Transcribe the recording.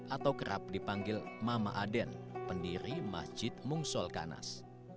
atau kerap dipanggil mama aden pendiri masjid mungsolkanas